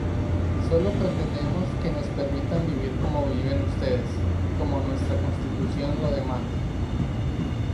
Solo pretendemos que nos permitan vivir como viven ustedes, como nuestra Constitución lo demanda".